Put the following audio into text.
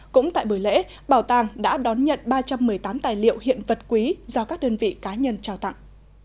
cũng tại buổi lễ bảo tàng đã đón nhận ba trăm một mươi tám tài liệu hiện vật quý do các đơn vị cá nhân trao tặng